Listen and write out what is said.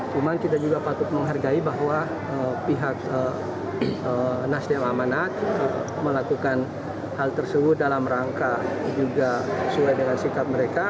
cuman kita juga patut menghargai bahwa pihak nasdem amanat melakukan hal tersebut dalam rangka juga sesuai dengan sikap mereka